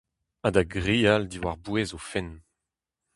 Ha da grial diwar-bouez o fenn.